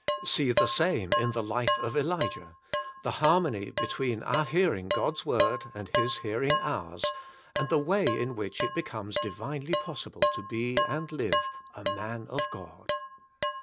' •'■'^See the same in the life of Elijah — the harmony between our hearing God's word and His hearing ours, and the way in which it becomes Divinely possible to be and live — A Man of God.